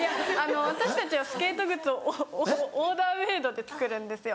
私たちはスケート靴をオーダーメードで作るんですよ。